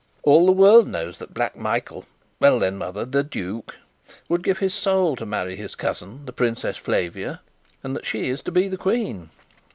"All the world knows that Black Michael well then, mother, the duke would give his soul to marry his cousin, the Princess Flavia, and that she is to be the queen."